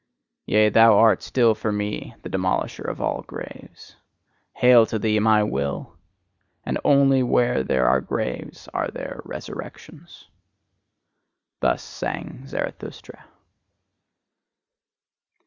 Yea, thou art still for me the demolisher of all graves: Hail to thee, my Will! And only where there are graves are there resurrections. Thus sang Zarathustra.